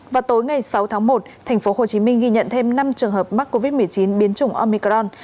và tối ngày sáu tháng một thành phố hồ chí minh ghi nhận thêm năm trường hợp mắc covid một mươi chín biến chủng omicron